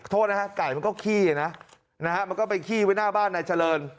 โทษนะฮะไก่มันก็ขี้นะนะฮะมันก็ไปขี้ไว้หน้าบ้านนายเจริญ